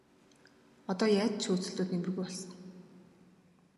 Одоо яаж ч хөөцөлдөөд нэмэргүй болсон.